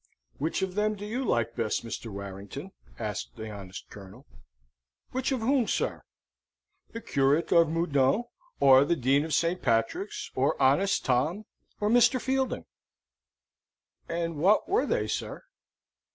"Which of them do you like best, Mr. Warrington?" asked the honest Colonel. "Which of whom, sir?" "The Curate of Meudon, or the Dean of St. Patrick's, or honest Tom, or Mr. Fielding?" "And what were they, sir?"